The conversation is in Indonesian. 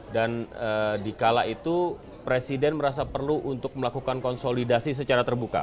dan dikala itu presiden merasa perlu untuk melakukan konsolidasi secara terbuka